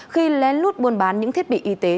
khi lén lút buôn bán những thiết bị y tế